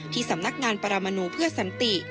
สำนักงานปรมนูเพื่อสันติ